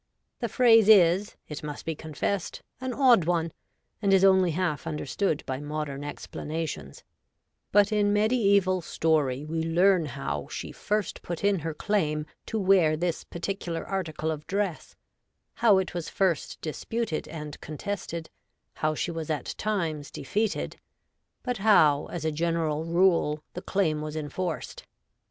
"' The phrase is, it must be confessed, an odd one, and is. only half understood by modern explanations ; but in mediaeval story we learn how ' she ' first put in her claim to wear this particular article of dress, how it was first disputed and contested, how she was at times defeated ; but how, as a general rule, the claim was enforced.